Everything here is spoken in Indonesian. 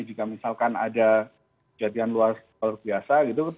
jika misalkan ada jatian luar biasa gitu